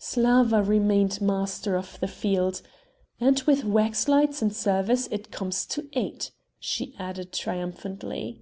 Slawa remained master of the field; "and with wax lights and service it comes to eight," she added triumphantly.